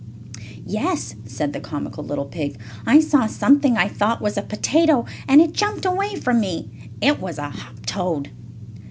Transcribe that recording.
"Yes," said the comical little pig. "I saw something I thought was a potato, and it jumped away from me. It was a hoptoad."